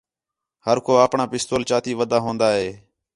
ہر کو آپݨاں پستول چاتی ودا ہون٘دا ہِے